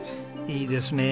いいですねえ。